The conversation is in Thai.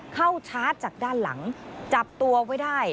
ชาร์จจากด้านหลังจับตัวไว้ได้